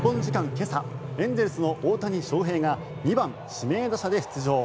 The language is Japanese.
今朝エンゼルスの大谷翔平が２番指名打者で出場。